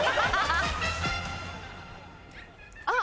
あっ！